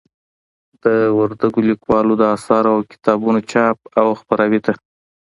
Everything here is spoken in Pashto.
د وردگ ليكوالو د آثارو او كتابونو چاپ او خپراوي ته